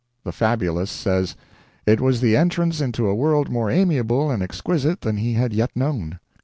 The fabulist says: "It was the entrance into a world more amiable and exquisite than he had yet known."